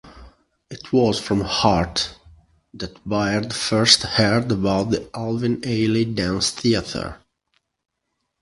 It was from Hurt that Byrd first heard about the Alvin Ailey Dance Theater.